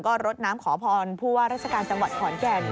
ก็รดน้ำขอพรผู้ว่าราชการจังหวัดขอนแก่น